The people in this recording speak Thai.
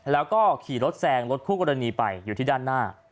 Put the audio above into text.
แล้วก็ขี่รถแซงรถคู่กรณีไปอยู่ที่ด้านหน้า